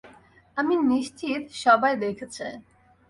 আমি নিশ্চিত সবাই দেখেছে।